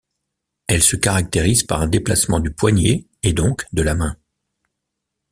Elle se caractérise par un déplacement du poignet et donc de la main.